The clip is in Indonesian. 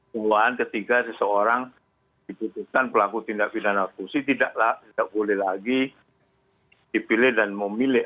bahwa ketika seseorang diputuskan pelaku tindak pidana korupsi tidak boleh lagi dipilih dan memilih